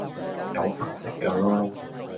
有黑色架囉